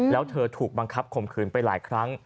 แล้วเธอถูกบังคับข่มขืนไปหลายครั้ง